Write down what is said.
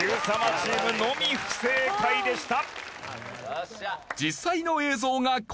チームのみ不正解でした。